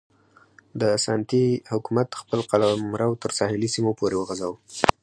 د اسانتي حکومت خپل قلمرو تر ساحلي سیمو پورې وغځاوه.